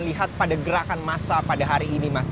lihat pada gerakan massa pada hari ini mas